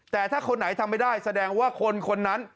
แต่ถ้าคนไหนทำไม่ได้แสดงว่าคนคนนั้น